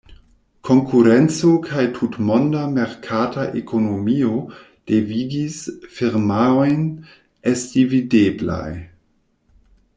Konkurenco kaj tutmonda merkata ekonomio devigis firmaojn esti videblaj.